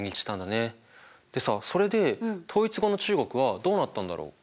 でさそれで統一後の中国はどうなったんだろう？